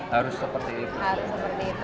harus seperti itu